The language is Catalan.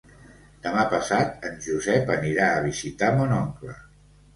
Demà passat en Josep anirà a visitar mon oncle.